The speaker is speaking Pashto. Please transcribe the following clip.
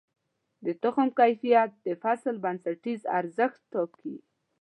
د تخم کیفیت د فصل بنسټیز ارزښت ټاکي.